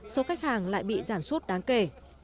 số khách hàng lại bị giảm suốt đáng kể